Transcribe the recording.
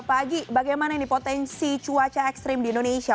pak agi bagaimana ini potensi cuaca ekstrim di indonesia